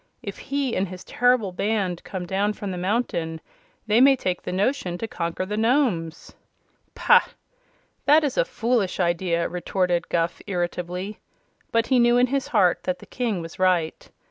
If he and his terrible band come down from the mountain they may take the notion to conquer the Nomes!" "Pah! That is a foolish idea," retorted Guph, irritably, but he knew in his heart that the King was right.